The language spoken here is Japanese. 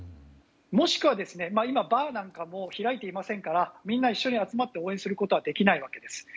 もしくは、今、バーなんかも開いていませんからみんな一緒に集まって応援することはできないわけです。